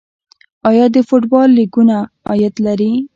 آیا د فوټبال لیګونه عاید لري؟